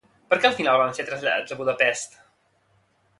Per què al final van ser traslladats a Budapest?